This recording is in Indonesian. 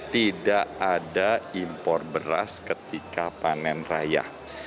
tidak ada impor beras ketika panen raya